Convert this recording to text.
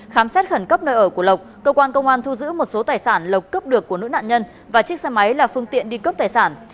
khám xét khẩn cấp nơi ở của lộc cơ quan công an thu giữ một số tài sản lộc cướp được của nữ nạn nhân và chiếc xe máy là phương tiện đi cướp tài sản